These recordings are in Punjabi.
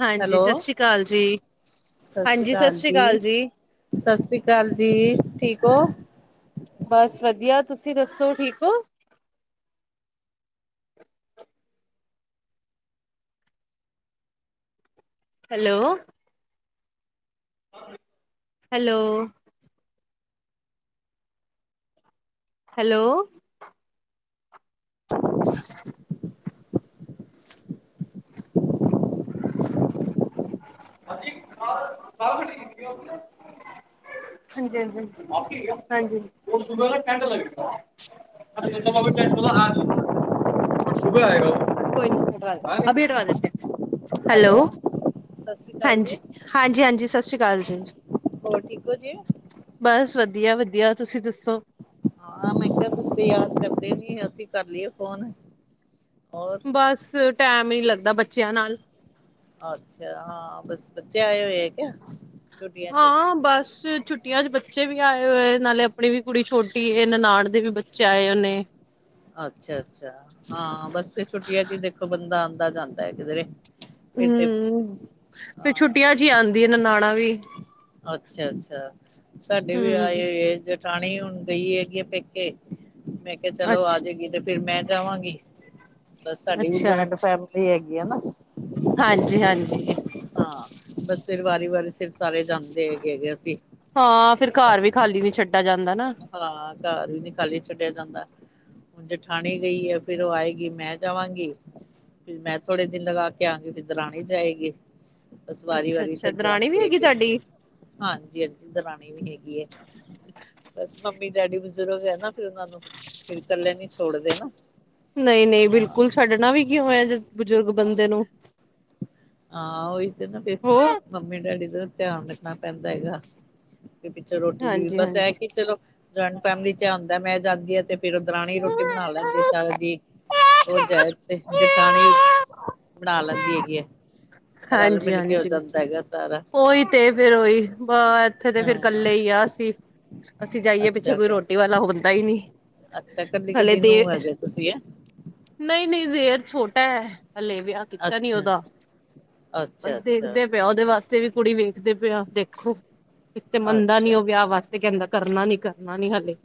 ਹਾਂਜੀ ਸ ਸ੍ਰੀ ਕਾਲ ਜੀ ਸ ਸ੍ਰੀ ਹਾਂਜੀ, ਸਤਿ ਕਾਲ ਸ਼੍ਰੀ ਜੀ, ਅਕਾਲ ਸ ਸ਼੍ਰੀ ਕਾਲ ਜੀ, ਠੀਕ ਹੋ? ਬਸ ਵਧੀਆ, ਤੁਸੀਂ ਦੱਸੋ, ਠੀਕ ਹੋ? ਹੈਲੋ ਹੈਲੋ ਹੈਲੋ- ਅ [inaudible] [unintelligible] ਹਜੀ [unintelligible] [unintelligible] [unintelligible] ਹੈਲੋ ਸਤਿ ਸ੍ਰੀ ਅਕਾਲ ਜੀ ਹਾਂਜੀ ਹਾਂਜੀ ਹਾਂਜੀ, ਸਸ ਸ੍ਰੀ ਕਾਲ ਜੀ ਹੋਰ ਠੀਕ ਹੋ ਜੀ ਵਧੀਆ ਵਧੀਆ ਤੁਸੀਂ ਦੱਸੋ ਹਾਂ ਮੈਂ ਕਿਹਾ ਤੁਸੀਂ ਯਾਦ ਕਰਦੇ ਨੀ ਅਸੀਂ ਕਰ ਲੀਏ ਫੋਨ ਹੋਰ ਬਸ ਟੈਮ ਈ ਨਹੀ ਲੱਗਦਾ ਬੱਚਿਆਂ ਨਾਲ ਅੱਛਾ, ਹਾਂ ਬਸ ਬੱਚੇ ਆਏ ਹੋਏ ਕਿਆ ਛੁੱਟੀਆਂ ਚ ਹਾਂ, ਬਸ ਛੁੱਟੀਆਂ ਚ ਬੱਚੇ ਵੀ ਆਏ ਹੋਏ, ਨਾਲੇ ਅਪਨੀ ਵੀ ਕੁੜੀ ਛੋਟੀ ਏ, ਨਨਾਨ ਦੇ ਵੀ ਬੱਚੇ ਆਏ ਉਨੇ ਅੱਛਾ ਅੱਛਾ ਹਾਂ ਬਸ ਫਿਰ ਛੁੱਟੀਆਂ ਚ ਦੇਖੋ [unintelligible] ਜਾਂਦਾ ਹੈ ਕਿਧਰੇ ਫਿਰ ਤੇ ਹਮ, ਫੇਰ ਹਾਂ ਛੁੱਟੀਆਂ ਚ ਈ ਆਂਦੀ ਐ ਨਨਾਣਾ ਵੀ ਅੱਛਾ ਅੱਛਾ, ਸਾਡੇ ਵੀ ਆਏ ਹੂੰ ਹੋਏ ਏ ਜਠਾਣੀ ਹੁਣ ਗਈ ਹੈਗੀ ਆ ਪੇਕੇ ਮੈਂ ਕਿਹਾ ਚਲੋ, ਅੱਛ ਆਜੇਗੀ ਤੇ ਫਿਰ ਮੈਂ ਜਾਵਾਂਗੀ ਬਸ ਸਾਡੀ ਵੀ ਜੁਆਇੰਟ ਫੈਮਿਲੀ ਹੈਗੀ [unintelligible] ਨਾ ਹਾਂਜੀ-ਹਾਂਜੀ ਹਾਂ, ਬਸ ਫੇਰਿ ਵਾਰੀ ਵਾਰੀ ਫਿਰ ਸਾਰੇ ਜਾਂਦੇ ਹੈਗੇ ਹੈਗੇ ਸੀ, ਹਾਂ ਫਿਰ ਘਰ ਬੱਸ ਵੀ ਖਾਲੀ ਨੀ ਛੱਡਾ ਜਾਂਦਾ ਨਾ ਹਾਂ, ਘਰ ਵੀ ਨੀ ਖਾਲੀ ਛੱਡਿਆ ਜਾਂਦਾ ਹੁਨ ਜਠਾਣੀ ਗਈ ਹੈ ਫਿਰ, ਉਹ ਆਏਗੀ ਮੈਂ ਜਾਵਾਂਗੀ ਮੈਂ ਥੋੜੇ ਦਿਨ ਲਗਾ ਕੇ ਆਂਗੀ, ਫਿਰ ਦਰਾਣੀ ਜਾਏਗੀ ਬਸ ਵਾਰੀ ਅੱਛਾ ਵਾਰੀ ਅੱਛਾ ਸਿਰ ਦਰਾਣੀ ਵੀ ਜਾਨਦੇ ਹੈਗੀ ਹੇਗੇ ਤੁਹਾਡੀ ਹਾਂਜੀ-ਹਾਂਜੀ, ਦਰਾਣੀ ਵੀ ਹੈਗੀ ਏ, ਬਸ ਮੰਮੀ ਡੈਡੀ ਬਜ਼ੁਰਗ ਹੈ ਨਾ, ਫਿਰ ਉਹਨਾਂ ਨੂੰ ਫਿਰ ਕਲੇ ਨੀ ਛੋੜਦੇ ਨਾ ਨਹੀਂ ਨਹੀਂ ਹਾਂ ਬਿਲਕੁਲ ਛੱਡਣਾ ਵੀ ਕਿ ਹੋਇਆ, ਜਦ ਬਜ਼ੁਰਗ ਬੰਦੇ ਨੂੰ ਹਾਂ, ਉਹੀ ਤੇ ਨਾ ਫਿਰ ਹੋਰ ਮੰਮੀ ਡੈਡੀ ਦਾ ਧਿਆਨ ਰੱਖਨਾ ਪੈਂਦਾ ਹੈਗਾ ਪਿੱਛੋਂ ਰੋਟੀ ਦੀ ਵੀ ਹਾਂਜੀ ਬਸ, ਇਹ ਹਾਂਜੀ ਕਿ ਚਲੋ ਜਆਇੰਟ ਫੈਮਿਲੀ ਚ ਏ ਹੁੰਦੇ, ਮੈਂ ਜਾਂਦੀ ਐ ਤੇ ਫਿਰ ਉ ਦਰਾਣੀ ਰੋਟੀ ਬਣਾ ਲੈਂਦੀ ਸਾਰੇਆ ਦੀ ਉਹ ਜਾਏ ਤੇ ਜਠਾਣੀ ਬਣਾ ਲੈਂਦੀ ਹੈਗੀ ਏ ਹਾਂਜੀ-ਹਾਂਜੀ, ਸਾਰਾ ਉਹੀ ਤੇ ਫੇਰ ਓਹੀ ਵ ਇੱਥੇ ਤੇ ਫਿਰ ਹਾਂ ਕੱਲੇ ਈ ਆ ਅਸੀਂ ਅਸੀਂ ਜਾਈਏ ਪਿੱਛੇ ਅੱਛਾ ਕੋਈ ਰੋਟੀ ਵਾਲਾ ਹੋ ਬੰਦਾ ਈ ਨੀ ਅੱਛਾ, ਕੱਲੀ ਕਲੀ ਨੂੰ ਹੈਗੇ ੳ ਤੁਸੀਂ, ਹੈ? ਨਹੀਂ ਨਹੀਂ ਦੇਰ ਛੋਟਾ ਹੈ ਹਲੇ ਵਿਆਹ ਕੀਤਾ ਨੀ ਅੱਛਾ ਉਹਦਾ, ਅੱਛਾ ਬਸ ਅੱਛਾ ਦੇਖਦੇ ਪਿਆ ਉਹਦੇ ਵਾਸਤੇ ਵੀ। ਕੁੜੀ ਵੇਖਦੇ ਪਿਆ ਦੇਖੋ, ਇੱਕ ਤੇ ਮੰਨਦਾ ਨੀ ਅੱਛਾ ਉਹ ਵਿਆਹ ਵਾਸਤੇ ਕਹਿੰਦੇ ਕਰਨਾ ਨੀ। ਨਾ ਨੀ ਹਾਲੇ।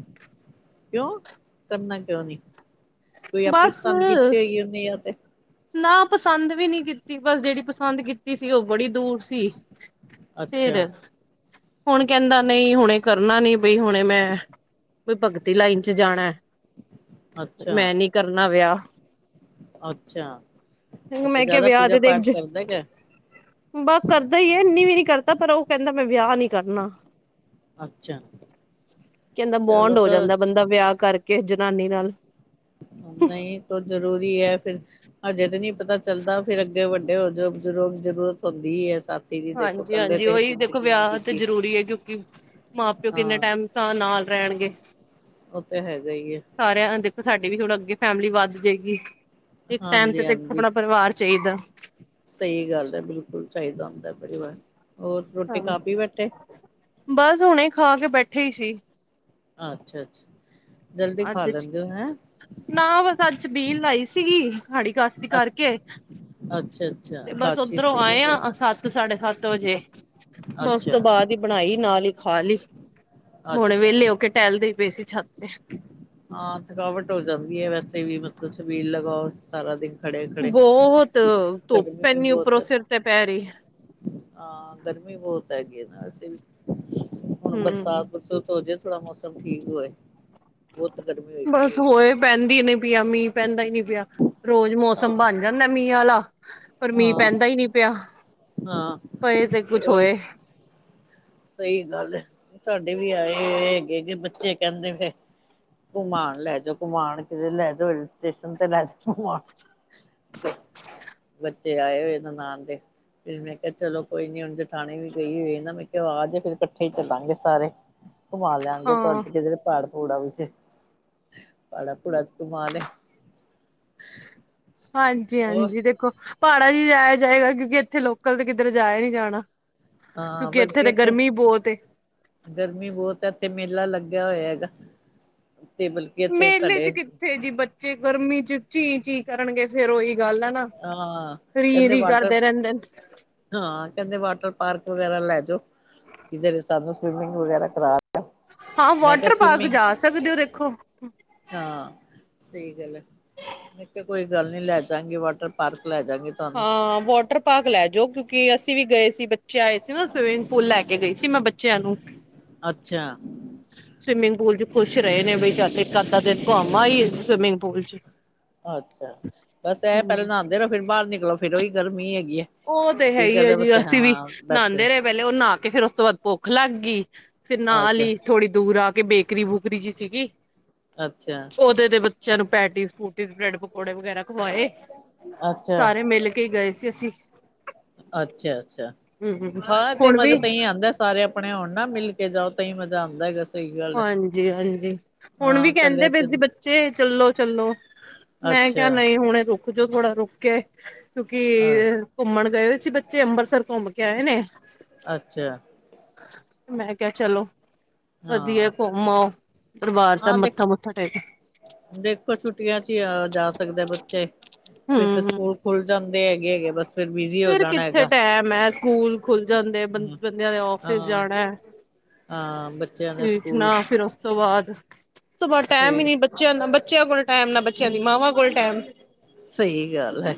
ਕਿਉਂ ਕਰਨਾ ਕੋਈ ਅਪਨੀ ਬਸ। ਪਸੰਦ ਕੀਤੀ ਹੋਏਗੀ ਉਹਨੇ ਯਾ ਤੇ। ਨਾ ਪਸੰਦ ਵੀ ਨੀ ਕੀਤੀ ਬਸ ਜੇਹੜੀ ਪਸੰਦ ਕੀਤੀ ਸੀ ਉਹ ਬੜੀ ਦੂਰ ਸੀ। ਅੱਛਾ ਫੇਰ ਹੁਣ ਕਹਿੰਦੇ ਨਹੀਂ, ਹੁਣੇ ਕਰਨਾ ਨੀ, ਬਈ ਹੁਣੇ ਮੈਂ। ਕੋਈ ਭਗਤੀ ਲਾਈਨ ਚ ਜਾਣਾ ਅੱਛਾ ਮੈਂ ਨੀ ਕਰਨਾ ਵਿਆਹ। ਅੱਛਾ ਅੱਛਾ ਮੈਂ ਜਿਆਦਾ ਪੂਜਾ ਪਾਠ ਕਰਦਾ ਗ ਬਸ ਕਰਦਾ ਹੀ ਹੈ ਇੰਨੀ ਵੀ ਨੀ ਕਰਦਾ ਪਰ ਉਹ ਕਹਿੰਦਾ ਮੈਂ ਵਿਆਹ ਨਹੀ ਕਰਨਾ! ਅੱਛਾ ਕਹਿੰਦਾ ਬੋਂਡ ਚਲੋ ਹੋ ਜਾਂਦਾ ਬੰਦਾ ਵਿਆਹ ਕਰਕੇ ਜ। ਨਾਨੀ ਨਾਲ। ਨਹੀਂ ਤ ਜ਼ਰੂਰੀ ਹੈ ਫਿਰ ਅਜੇ ਤਾਂ ਨਹੀਂ ਪਤਾ ਚੱਲਦਾ ਫਿਰ ਅੱਗੇ ਵੱਡ ਹੋ ਬਜ਼ੁਰਗ ਜ਼ਰੂਰਤ ਹੁੰਦੀ ਹੀ ਹੈ ਸ ਹਾਂਜੀ ਹਾਂਜੀ ਉਹੀ ਦੇਖੋ ਵਿਆਹ ਤੇ ਬੀਤਦੀ ਜ਼ਰੂਰੀ ਹੈ ਕਿਉਂਕਿ ਮਾਂ ਪਿਓ ਕਿੰਨੇ ਹਾਂ ਟਾਈਮ ਤਾਂ ਨਾਲ ਰਹਿਣਗੇ। ਉਹ ਤੇ ਹੈਗਾ ਹੀ ਹੈ ਸਾਰਿਆਂ ਦੇਖੋ ਸਾਡੀੇ ਵੀ ਥੋੜ੍ਹਾ ਅੱਗੇ ਫੈਮਿਲੀ ਵੱਧ ਜਾਏਗੀ। ਇੱਕ ਟਾਈਮ ਹਾਂਜੀ ਤੇ ਦੇਖੋ ਹਾਂਜੀ ਆਪਣਾ ਪਰਿਵਾਰ ਚਾਹੀਦਾ ਸਹੀ ਗੱਲ ਹੈ ਬਿਲਕੁਲ ਚਾਹੀਦਾ। ਪਰਿਵਾਰ ਹੋਰ ਰੋਟੀ ਖਾ ਪੀ ਬੈਠੇ ਬਸ ਹੁਣੇ ਖਾ ਕੇ ਬੈਠੇ ਹੀ ਸੀ। ਅੱਛਾ ਅੱਛਾ ਜਲਦੀ ਖਾ ਅੱਜ ਲੈਂਦੇ ਹੋ ਹੈਂ ਨਾ ਬਸ ਅੱਜ ਛਬੀਲ ਲਾਈ ਸੀਗੀ ਖਾੜੀ ਕਾਸ਼ਤੀ ਅੱਛਾ ਕਰਕੇ। ਅੱਛਾ-ਅੱਛਾ ਤੇ ਬਸ ਅਕਾਚੀ ਉੱਧਰੋਂ ਸੀ ਨਾ ਆਏ ਜੇ ਆ ਸੱਤ ਸਾਡੇ ਸੱਤ ਵਜੇ। ਮੈਂ ਉਸ ਅੱਛਾ, ਤੋਂ ਬਾਅਦ ਹੀ ਬਣਾਈ ਨਾਲ ਹੀ ਖਾ ਲਈ ਹੁਣੇ ਅੱਛਾ। ਵਿਹਲੇ ਹੋ ਕੇ ਟਹਿਲਦੇ। ਬੇਸੀ ਛੱ ਹਾਂ ਥਕਾਵਟ ਹੋ ਜਾਂਦੀ ਹੈ ਵੈਸੇ ਵੀ ਮਤਲਬ ਮੀਲ ਲਗਾਓ ਸਾਰਾ ਦਿਨ। ਖੜੇ-ਖੜੇ। ਬਹੁਤ ਧੁੱਪ ਗਰਮੀ ਵੀ ਪੈਨੀ ਬਹੁਤ ਉੱਪਰੋਂ ਹੈ ਸਿਰ ਨਾ ਤੇ ਪੈ ਰਹੀ। ਹਾਂ ਗਰਮੀ ਬਹੁਤ ਹੈਗੀ ਹੈ। ਵੀ ਹੁਣ ਬਰਸਾਤ ਹੂੰ ਬਰਸੁਤ ਹੋ ਜੇ ਥੋੜਾ ਮੌਸਮ ਠੀਕ ਹੋਵੇ। ਉਹ ਤਾਂ ਕਰ। ਬਸ ਹੋਏ ਪੈਂਦੀ ਨੀ ਪਿਆ ਮੀਂਹ ਪੈਂਦਾ ਹੀ ਨੀ ਪਿਆ ਰੋਜ਼ ਮੌਸਮ ਹਾਂ, ਬਣ ਜਾਂਦਾ ਮੀਂਹ ਵਾਲਾ। ਪਰ ਮੀਂਹ ਹਾਂ, ਪੈਂਦਾ ਹੀ ਨਹੀਂ ਪਿਆ ਹਾਂ ਪਰ ਪਏ ਤੇ ਕੁਛ ਹੋਏ । ਸਹੀ ਗੱਲ ਸਾਡੇ ਵੀ ਆਏ ਹੋ ਹੈਗੇ ਹੈਗੇ ਬੱਚੇ ਕਹਿੰਦੇ ਫ ਘੁਮਆਣ ਲੈ ਜਾਓ ਘੁਮਾਣ ਕਿਤੇ ਲੈ ਜਾਓ ਰ ਸਟੇਸ਼ਨ ਤੇ ਲੈ ਜਾਓ ਘੁਮਣ ਸੀ। ਬੱਚੇ ਆਏ ਹੋਏ ਨਨਾਨ ਦੇ ਫੇਰ ਮੈਂ ਕਿਹਾ ਚਲੋ ਕੋਈ ਨੀ ਹੁਣ ਜਠਾਣੀ ਵੀ ਗਈ ਹੋਏ ਨਾ ਆ ਜਾ ਫੇਰ ਇਕੱਠੇ ਹੀ ਚੱਲਾਂਗੇ ਸਾਰੇ ਘੁੰਮਾ ਲਿਆਂਗੇ ਤੁਹਾਡ ਹਾਂ ਜਿਹੜੇ ਪਹਾੜ ੜਾ ਵਿੱਚ ਪਹਾੜਾਂ ਪਜੁੜਾਂ ਵਿੱਚ ਹਾਂਜੀ ਹਾਂਜੀ ਦੇਖੋ ਪਹਾੜਾ ਚ ਜਾਇਆ ਜਾਏਗਾ ਕਿਉਂਕਿ ਇੱਥੇ ਲੋਕਲ ਤੇ ਕਿਧਰੇ ਜਾਇਆ ਨੀ ਜਾਣਾ। ਹਾਂ ਕਿਉਂਕਿ ਬਲਕਿ ਤੇ ਇੱਥੇ ਗਰਮੀ ਬਹੁਤ ਏ ਗਰਮੀ ਬਹੁਤ ਹੈ ਇੱਥੇ ਮੇਲਾ ਲੱਗ। ਹੋਇਆ ਹੈਗਾ! ਤੇ ਬਲਕਿ ਇੱਥੇ ਮੇਲੇ ਚ ਸਾਡੇ ਕਿੱਥੇ ਜੀ ਬੱਚੇ ਗਰਮੀ ਚ ਚੀਂ ਚੀ ਕਰਨਗੇ ਫੇਰ ਉਹੀ ਗੱਲ ਆ ਨਾ ਹਾਂ ਸਰੀਰ ਕਹਿੰਦੇ ਹੀ ਵਾਟਰ ਕਰਦੇ ਰਹਿੰਦੇ। ਹਾਂ ਕਹਿੰਦੇ ਵਾਟਰ ਪਾਰਕ ਵਗੈਰਾ ਲੈ ਜਾਓ ਜਿਹ ਨੇ ਸਾਨੂੰ ਸਵਿਮਿੰਗ ਵਗੈਰਾ ਕਰਾ ਲ ਹਾਂ ਵਾਟਰ ਪਾਰਕ ਜਾ ਸਕਦੇ ਹੋ ਦੇਖੋ। ਹਾਂ ਸਹੀ ਗੱਲ ਹੈ ਮੈਂ ਕੋਈ ਗੱਲ ਨੀ ਲੈ ਜਾਗੇ ਵਾਟਰ ਪਾਰਕ। ਲੈ ਜਾਗੇ ਤੁਹਾਨੂੰ ਹਾਂ ਵਾਟਰ ਪਾਰਕ ਲੈ ਜਾਓ ਕਿਉਂਕਿ ਅਸੀਂ ਵੀ ਗਏ ਸੀ ਬੱਚਿਆਂਏ। ਸੀ ਨਾ ਸਵਿਮਿੰਗ ਪੂਲ ਲੈ ਕੇ ਗਈ ਸੀ ਮੈਂ ਬੱਚਿਆਂ ਨੂੰ ਅੱਛਾ ਸਵਿਮਿੰਗ ਪੂਲ ਚ ਖੁਸ਼ ਰਹੇ ਨੇ ਬਈ ਚੱਲ ਇੱਕ ਅੱਧਾ ਦਿਨ ਘੁੰਮ ਆਈਏ ਸਵਿਮਿੰਗ ਪੂਲ ਚ। ਅੱਛਾ, ਬਸ ਇਹ ਪਹਿਲਾਂ ਹਮ ਨਾਂਦੇ ਰਹੋ ਫਿਰ ਬਾਹਰ ਨਿਕਲੋ ਫਿਰ ਉਹੀ ਗਰਮੀ ਹੈਗੀ। ਹੈ। ਉਹ ਤੇ ਹੈ ਕੀ ਹੀ ਹੈ ਕਰਦਾ ਜੀ ਬਸ ਅਸੀਂ ਵੀ ਹਾਂ ਬੈਠੇ ਨਾਂਦੇ ਰਹੇ ਪਹਲੇ ਉਹ ਨਾ ਤੇ ਫਿਰ ਉਸ ਤੋਂ ਬਾਅਦ ਭੁੱਖ ਲੱਗ ਗਈ ਫਿਰ ਨਾਲ ਅੱਛਾ ਹੀ ਥੋੜੀ ਦੂਰ ਆ ਬੇਕਰੀ-ਬੂਕਰੀ ਜਿ ਸੀਗੀ ਅੱਛਾ ਉਹਦੇ ਦੇ ਬੱਚਿਆਂ ਨੂੰ ਪੈਟੀਸ ਪੁਟੀਸ ਬ੍ਰੈਡ ਪਕੌੜੇ ਵਗੈਰਾ ਖਵਾਏ ਅੱਛਾ ਸਾਰੇ ਮਿਲ ਕੇ ਗਏ ਸੀ ਅਸੀਂ। ਅੱਛਾ-ਅੱਛਾ, ਹਮ ਹਾਂ ਤੇ ਹੁਣ ਮਜ਼ਾ ਵੀ ਤਾਂ ਹੀ ਆਂਦਾ ਸਾਰੇ ਆਪਣੇ ਹੋਣ ਨਾ ਮਿਲ ਕੇ ਜਾਓ ਤਾਹੀਂ ਮਜ਼ਾ ਆਂਦਾ ਹੈਗਾ ਸੀ। ਹਾਂਜੀ ਹਾਂਜੀ ਹੁਣ ਵੀ ਹਾਂ ਕਹਿੰਦੇ ਕੱਲਿਆਂ ਪਏ ਚ ਸੀ ਬੱਚੇ ਚੱਲੋ ਚੱਲੋ। ਮੈਂ ਕਿਹਾ ਅੱਛਾ ਨਹੀਂ ਹੁਣੇ ਰੁਕ ਜੋੋ ਥੋੜਾ ਰੁਕ ਕੇ ਕਿਉਂਕਿ ਅ ਘੁੰਮਣ ਗਏ ਸੀ। ਅਸੀਂ ਬੱਚੇ ਅੰਬਰਸਰ ਘੋਮ ਕੇ ਆਏ ਨੇ। ਅੱਛਾ। ਮੈਂ ਕਿਹਾ ਚਲੋ ਹਾਂ ਵਧੀਆ ਘੁੰਮ ਆਓ। ਦਰਬਾਰ ਹਾਂ ਸਾਹਿਬ ਦੇਖ ਮੱਥਾ ਮੁੱਥਾ ਟੇਕ ਦੇਖੋ ਛੁੱਟੀਆਂ ਚ ਹੀ ਆ ਜਾ ਸਕਦੇ ਬੱਚੇ। ਫਿਰ ਤੇ ਹਮ ਸਕੂਲ ਖੁੱਲ ਜਾਂਦੇ ਹੈਗੇ ਏਗੇ ਬਸ। ਫਿਰ ਬਿਜੀ ਹੋ ਫਿਰ ਜਾਣਾ ਕਿੱਥੇ ਹੈਗਾ ਟੈਮ ਹੈ ਸਕੂਲ ਖੁੱਲ ਜਾਂਦੇ ਹਮ ਬੰਦਿਆਂ ਨੇ ਆਫਿਸ ਹਾਂ ਜਾਣਾ। ਹਾਂ ਬੱਚਿਆਂ ਦੇ ਠੀਕ ਨਾ ਸਕੂਲ ਫਿਰ ਉਸ ਤੋਂ ਬਾਅਦ। ਸਵਾ ਟਾਈਮ ਹੀ ਸਹੀ ਨੀ ਬੱਚਿਆਂ ਦਾ ਬੱਚਿਆਂ ਕੋਲ ਟਾਈਮ ਨਾ ਬੱਚਿਆਂ ਦੀ ਮਾਵਾਂ ਕੋਲ ਟਾਈਮ। ਸਹੀ ਗੱਲ ਹੈ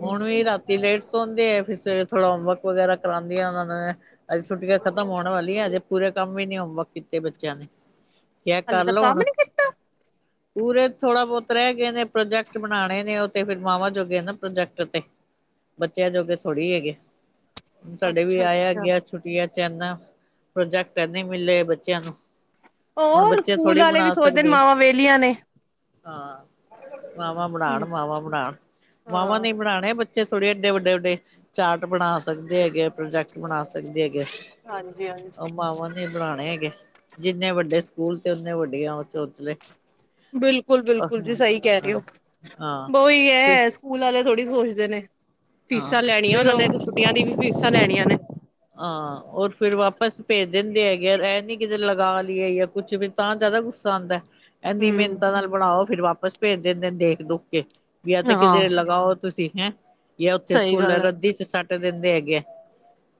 ਹੁਣ ਵੀ ਰਾਤੀ ਲੇਟ ਸਸੋਂ ਦੇ ਆ ਫਿਰ ਸਵੇਰੇ। ਥੋੜਾ ਹੋਮਵਰਕ ਵਗੈਰਾ ਕਰਾਉਂਦੀ ਆਂ ਉਹਨਾਂ ਦਾ ਮੈ ਅੱਜ ਛੁੱਟੀਆਂ ਖਤਮ ਹੋਣ ਵਾਲੀਆਂ ਅਜੇ ਪੂਰੇ ਕੰਮ ਵੀ ਨੀ ਹੋ। ਵਰਕ ਕੀਤੇ ਬੱਚਿਆਂ ਨੇ। ਹਾਲੇ ਕਰ ਤਕ ਲਓ ਕੰਮ ਹੁਣ ਨੀ ਕੀਤਾ। ਪੂਰੇ ਥੋੜਾ ਬਹੁਤ ਰਹਿ ਗਏ ਨੇ ਪ੍ਰੋਜੈਕਟ ਬਨਾਣੇ ਨੇ ਉਹ ਤੇ ਫਿਰ ਮਾਵਾਂ ਜੋਗੇ ਨੇ ਪ੍ਰੋਜੈਕਟ ਤੇ। ਬੱਚਿਆਂ ਜੋਗੇ ਥੋੜੀ ਹੈਗੇ ਹੁਣ ਸਾਡੇ ਵੀ ਅੱਛਾ ਆਇਆ ਅੱਛਾ ਗਿਆ ਛੁੱਟਿਆ ਚ ਚੈਨਾ ਪ੍ਰੋਜੈਕਟ ਇਨੇ ਮਿਲੇ ਬੱਚਿਆਂ ਨੂੰ। ਹੁਣ ਹੋਰ ਬੱਚੇ ਸਕੂਲ ਥੋੜੀ ਵਾਲੇ ਵੀ ਬਣਾ ਸੋਚਦੇ ਨੇ ਸਕਦੇ ਮਾਵਾਂ ਵਿਹਲੀਆਂ ਨੇ ਹਾਂ। ਮਾਵਾਂ ਬਨਾਣ ਹੂੰ। ਮਾਵਾਂ ਬਨਾਣ ਮਾਵਾਂ ਨੇ ਹਾਂ ਈ ਬਨਾਣੇ ਬੱਚੇ ਥੋੜੇ ਏਡੇ ਵੱਡੇ ਵੱਡੇ। ਚਾਰਟ ਬਣਾ ਸਕਦੇ ਹੈਗੇ ਪ੍ਰੋਜੈਕਟ ਬਣਾ ਸਕਦੇ ਹੈਗੇ। ਹਾਂਜੀ ਉਹ ਹਾਂਜੀ ਮਾਵਾਂ ਨੇ ਬਣਾਣੇ ਹੈਗੇ ਜਿੰਨੇ ਵੱਡੇ ਸਕੂਲ ਤੇ ਓਨੇ ਵਡਿਆ। ਬਿਲਕੁਲ ਬਿਲਕੁਲ ਜੀ ਸਹੀ ਕਹਿ ਰਹੇ ਹਾਂ ਹੋ ਹਾਂ ਬਹ ਓਹੀ ਫਿਰ ਹੈ ਸਕੂਲ ਵਾਲੇ। ਥੋੜੀ ਸੋਚਦੇ ਨੇ ਹਾਂ ਫੀਸਾਂ ਲੈਣੀਆਂ ਫਿਰ ਉਹਨਾਂ ਨੇ ਉਹ ਤੇ ਛੁੱਟੀਆਂ ਦੀ ਵੀ ਫੀਸਾਂ ਲੈਣੀਆਂ ਨੇ। ਹਾਂ ਔਰ ਫਿਰ ਵਾਪਸ ਪੇ। ਦਿੰਦੇ ਹੈਗੇ ਆ ਐ ਨੀ ਕਿਤੇ ਲਗਾ ਲਈਏ ਜਾਂ ਕੁਛ ਵੀ ਤਾਂ ਜ਼ਿਆਦਾ ਗੁੱਸਾ ਆਂਦਾ। ਏਨੀ ਹੂੰ। ਮਿਹਨਤਾਂ ਨਾਲ ਬਣਾਓ ਫਿਰ ਵਾਪਸ ਭੇਜ ਦਿੰਦੇ ਨੇ ਦੇਖ ਦੁਖ ਕੇ। ਵੀ ਆ ਤੇ ਹਾਂ ਕਿਧਰੇ ਲਗਾਓ ਤੁਸੀਂ ਹੈਂ ਯਾ ਉੱਥੇ ਸਹੀ ਸਕੂਲ ਗੱਲ ਹੈ। ਰੱਦੀ ਚੱ ਸਟ। ਟ ਦਿੰਦੇ ਹੈਗੇ ਆ।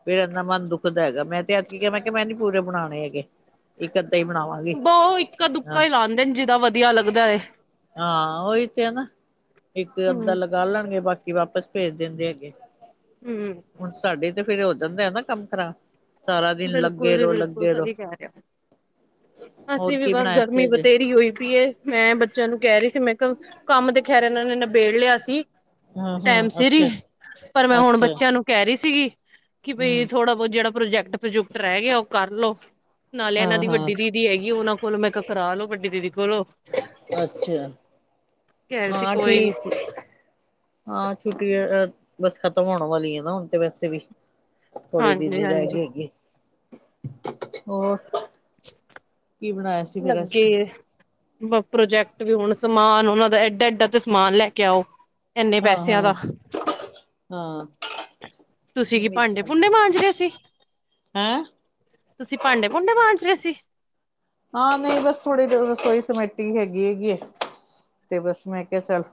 ਫਿਰ ਇਨਾ ਮਨ ਦੁਖਦਾ ਹੈਗਾ ਮੈਂ ਤੇ ਐਦਕੀ ਕਿਹਾ ਮੈਂ ਕਿਹਾ ਮੈਂ ਨੀ ਪੂਰੇ ਬਣਾਉਣੇ ਹੈਗੇ ਇੱਕ। ਹੀ ਬਣਾਵਾਂਗੀ ਬਹੁ ਇਕਾ ਹਾਂ ਦੁੱਕਾ ਹੀ ਲਾਂਦੇ ਨੇ ਜਿਦਾ ਵਧੀਆ ਲੱਗਦਾ ਏ। ਹਾਂ ਉਹੀ ਤੇ ਹੈ ਨਾ। ਇੱਕ ਅੱਧਾ ਹੂੰ। ਲਗਾ ਲੈਣਗੇ ਬਾਕੀ ਵਾਪਿਸ ਭੇਜ ਦਿੰਦੇ ਹੈਗੇ। ਹੂੰ। ਹੁਣ ਸਾਡੇ ਤੇ ਫਿਰ ਹੋ ਜਾਂਦਾ ਆ ਨਾ ਕੰਮ ਖਰਾ। ਸਾਰਾ ਦਿਨ ਬਿਲਕੁਲ ਲੱਗੇ ਜੀ ਰਹੋ ਬਿਲਕੁਲ ਲੱਗੇ ਰਹੋ ਸਹੀ ਕਹਿ ਰਿਹਾ। ਹੋਰ ਅਸੀਂ ਵੀ ਕੀ ਬਸ ਬਣਾਇਆ ਸੀ ਗਰਮੀ ਅਜੇ ਬਥੇਰੀ ਹੋਈ ਪਈ ਏ ਮੈਂ ਬੱਚਿਆਂ ਨੂੰ ਕਹਿ ਰਹੀ ਸੀ ਮੈਂ ਕਿਹਾ। ਕੰਮ ਤੇ ਖੈਰ ਇਹਨਾਂ ਨੇ ਨਬੇੜ ਲਿਆ ਸੀ। ਹਾਂ ਟੈਮ ਹਾਂ ਸੀਰ ਹੀ ਅੱਛਾ ਪਰ ਮੈਂ ਹੁਣ ਅੱਛਾ ਬੱਚਿਆਂ ਨੂੰ ਕਹਿ ਰਹੀ ਸੀਗੀ। ਕਿ ਬਈ ਹਮ ਥੋੜਾ ਬਹੁਤ ਜਿਹੜਾ ਪ੍ਰੋਜੈਕਟ ਪ੍ਰੋਜੂਕਟ ਰਹਿ ਗਿਆ ਉਹ ਕਰਲੋ। ਨਾਲੇ ਇਹਨਾਂ ਹਾਂ ਦੀ ਹਾਂ ਵੱਡੀ ਦੀਦੀ ਹੈਗੀ ਉਹਨਾਂ ਕੋਲੋਂ ਮੈਂ ਕ ਕਰਾ ਲੋ ਵੱਡੀ ਦੀਦੀ ਕੋਲੋਂ। ਕਹਿ ਅੱਛਾ। ਰਹੇ ਸੀ ਹਾਂ ਕੋਈ ਨੀ ਠੀਕ ਏ ਹਾਂ ਛੁੱਟੀ । ਬਸ ਖਤਮ ਹੋਣ ਵਾਲੀ ਆ ਨਾ ਹੁਣ ਤੇ ਵੈਸੇ ਵੀ ਥੋੜੇ ਦਿਨ ਹਾਂਜੀ ਹੀ ਰਹਿ ਹਾਂਜੀ ਗੇ ਹੈਗੇ। ਹੋਰ [inaudible] ਕੀ ਬਣਾਇਆ ਸੀ ਫੇਰ ਅਜ। ਲੱਗੇ ਪ੍ਰੋਜੈਕਟ ਵੀ ਹੁਣ ਸਮਾਨ ਉਹਨਾ ਦਾ ਏਡਾ ਏਡਾ ਤੇ ਸਮਾਨ ਲੈ ਕੇ ਆਓ। ਇੰਨੇ ਹਾਂ ਪੈਸਿਆਂ ਦਾ। ਹਾਂ ਹਾਂ ਤੁਸੀਂ ਕੀ ਮਿਰਚ ਭਾਂਡੇ ਭੂੰਡੇ ਵਾਲੀ ਹੈ ਮਾਂਜ ਰਹੇ ਸੀ। ਹੈਂ ਤੁਸੀਂ ਭਾਂਡੇ ਭੂੰਡੇ ਮਾਂਜ ਰਹੇ ਸੀ। ਹਾਂ ਨਹੀਂ ਬਸ ਥੋੜੀ ਜ ਰਸੋਈ ਸਮੇਟੀ ਹੈਗੀ। ਹੈਗੀ ਏ ਤੇ ਬਸ ਮੈਂ ਕਿਹਾ ਚੱਲ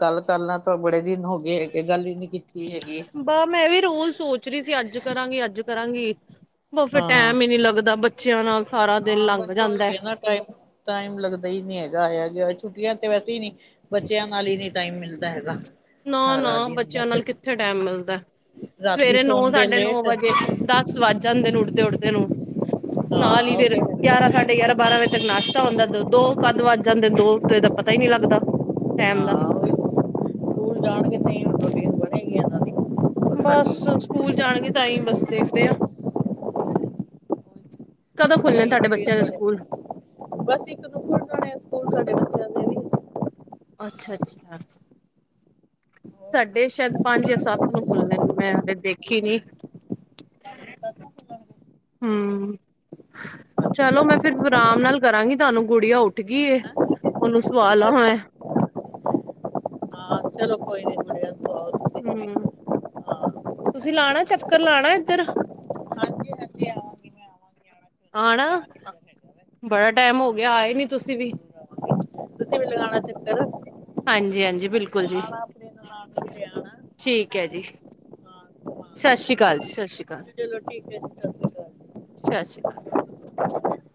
ਗੱਲ ਕਰ ਲਵਾਂ ਬੜੇ। ਦਿਨ ਹੋ ਗਏ ਹੈਗੇ ਗੱਲ ਹੀ ਨੀ ਕੀਤੀ ਹੈਗੀ ਬ ਮੈਂ ਵੀ ਰੋਜ਼ ਸੋਚ ਰਹੀ ਸੀ ਅੱਜ ਕਰਾਂਗੀ- ਅੱਜ ਕਰਾਂਗੀ। ਠ [inaudible] ਬਸ ਫਿਰ ਹਾਂ ਟੈਮ ਹੀ ਨਹੀਂ ਲੱਗਦਾ ਬੱਚਿਆਂ ਨਾਲ ਸਾਰਾ ਦਿਨ ਹਾਂ ਲੰਘ ਬਸ ਜਾਂਦਾ। ਉਹੀ ਹੈ ਨਾ ਟਾਈਮ ਟਾਈਮ ਲੱਗਦਾ ਹੀ ਨਹੀਂ ਹੈਗਾ ਹੈ ਛੁੱਟੀਆਂ ਤੇ ਵੈਸੇ ਹੀ ਨਹੀਂ ਬੱਚਿਆਂ ਨਾਲ ਹੀ ਨੀ ਟਾਈਮ ਮਿਲਦਾ ਹੈਗਾ। ਨਾ ਨਾ ਸਾਰਾ ਦਿਨ ਬੱਚਿਆਂ ਬਸ ਨਾਲ ਕਿੱਥੇ ਟਾਈਮ ਮਿਲਦਾ। ਰਾਤੀ ਸਵੇਰੇ ਨੌ ਸੌਦੇ ਸਾਢੇ ਨੌ ਲੇਟ ਵਜੇ ਦਸ ਵੱਜ। ਜਾਂਦੇ ਨੇ ਉੱਠਦੇ ਉੱਠਦੇ ਨੂੰ ਹਾਂ ਨਾਲ ਹੀ ਫੇਰ ਓਕੇ ਹਾਂ ਗਿਆਰਾਂ ਸਾਢੇ ਗਿਆਰਾਂ ਬਾਰਾਂ ਵਜ। ਨਾਸ਼ਤਾ ਹੁੰਦਾ ਦ ਦੋ ਕੱਦ ਵੱਜ ਜਾਂਦੇ ਦੋ ਦਾ ਪਤਾ ਹੀ ਨਹੀਂ ਲੱਗਦਾ ਟੈਮ ਦਾ। ਜਾਣ ਕਿਤੇੋਟੀ [unintelligible] ਬਸ। ਸਕੂਲ ਜਾਣਗੇ ਤਾਂ ਹੀ ਬਸ ਦੇਖਦੇ ਹਾਂ ਕਦੋ? [inaudible] ਬਸ ਇੱਕ ਨੂੰ ਖੁਲ ਜਾਣੇ ਸਕੂਲ ਸਾਡੇ ਬੱਚਿਆਂ ਦੇ ਵੀ। ਅੱਛਾ -ਅੱਛਾ। ਸਾਡੇ ਸ਼ਾਇਦ ਪੰਜ ਜਾਂ ਸੱਤ ਨੂੰ ਖੁੱਲਣੇ ਨੇ ਮੈਂ ਹਾਲੇ ਦੇਖੀ ਅੱਛਾ ਨੀ। ਪੰਜ ਸੱਤ। ਖੁੱਲਣਗੇ ਹੂੰ ਚਲੋ ਮੈਂ ਫਿਰ ਆਰਾਮ ਨਾਲ ਕਰਾਂਗੀ ਤੁਹਾਨੂੰ ਗੁੜੀਆ ਉਠ ਗਈ ਏ। ਅੱਛਾ ਉਹਨੂੰ ਸਵਾ ਲਾਂ ਅੱਛਾ ਮੈਂ। ਹਾਂ ਚਲੋ ਕੋਈ ਨੀ ਮੁੜ [inaudible] ਹੂੰ। ਤੁਸੀਂ ਟਾਈਮ ਲਾਣਾ ਚੱਕਰ ਲਾਣਾ ਇੱਧਰ। ਹਾਂਜੀ ਹਾਂਜੀ ਆਵਾਂਗੀ ਮੈਂ ਆਵਾਂਗੀ ਆਣਾ ਕਿਉਂ ਨੀ ਹੋਰ ਆਣਾ ਜਾਣਾ ਕਿੱਧਰ ਹੈਗਾ ਵੇ ਬੜਾ ਟੈਮ ਹੋ ਗਿਆ ਆਵਾਂਗੀ ਆਏ ਨੀ ਮੈਂ ਤੁਸੀਂ ਵੀ। ਜ਼ਰੂਰ ਆਵਾਂਗੀ ਤੁਸੀਂ ਵੀ ਲਗਾਣਾ ਚੱਕਰ। ਹਾਂਜੀ- ਹਾਂਜੀ ਬਿਲਕਲ। ਆਣਾ ਆਪਣੀ ਨਣਾਨ ਨੂੰ ਲੈ ਆਣਾ। ਠੀਕ ਜੀ ਹਾਂ ਘੁਮਾ ਸਤਿ ਸ਼੍ਰੀ ਦੇਣਾ ਅਕਾਲ ਜੀ ਸਤਿ ਸ਼੍ਰੀ ਅਕਾਲ। ਚਲੋ ਠੀਕ ਹੈ ਜੀ ਸਤਿ ਸਤਿ ਅਕਾਲ ਸ਼੍ਰੀ ਅਕਾਲ ਜੀ।